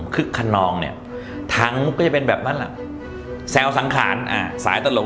คึกคนนองเนี่ยทั้งก็จะเป็นแบบนั้นล่ะแซวสังขาญสายตลก